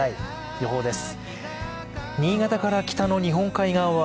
予報です。